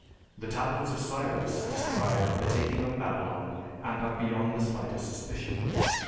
The tablets of Cyrus describe the taking of Babylon, and are beyond the slightest suspicion.